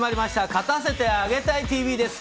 『勝たせてあげたいＴＶ』です。